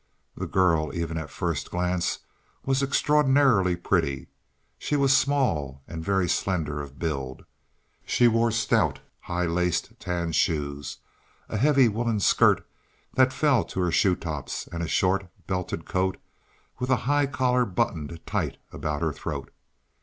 The girl, even at first glance, was extraordinarily pretty. She was small and very slender of build. She wore stout high laced tan shoes, a heavy woollen skirt that fell to her shoe tops and a short, belted coat, with a high collar buttoned tight about her throat.